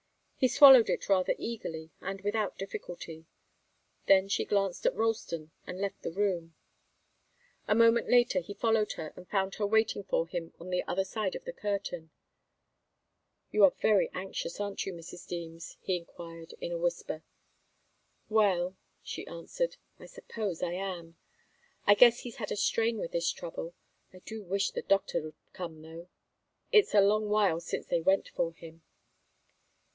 He swallowed it rather eagerly and without difficulty. Then she glanced at Ralston and left the room. A moment later he followed her, and found her waiting for him on the other side of the curtain. "You're very anxious, aren't you, Mrs. Deems?" he enquired, in a whisper. "Well," she answered, "I suppose I am. I guess he's had a strain with this trouble. I do wish the doctor'd come, though. It's a long while since they went for him."